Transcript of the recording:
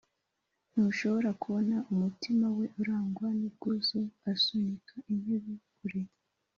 ntushobora kubona umutima we urangwa n'ubwuzu asunika intebe kure.